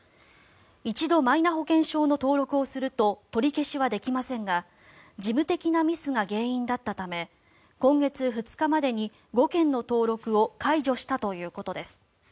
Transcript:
一度、マイナ保険証の登録をすると取り消しはできませんが事務的なミスが原因だったため今月２日までに５件の登録を解除したということです。